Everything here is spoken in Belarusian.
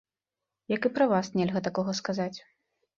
Як і пра вас нельга такога сказаць.